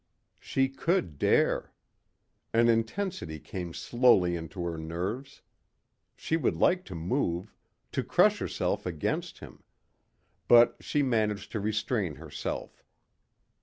She could dare. An intensity came slowly into her nerves. She would like to move, to crush herself against him. But she managed to restrain herself.